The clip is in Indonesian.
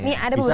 ini ada beberapa